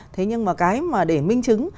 thế nhưng mà cái mà để minh chứng